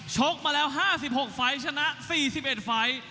ชกมาแล้ว๕๖ฟ้ายชนะ๔๑ฟ้าย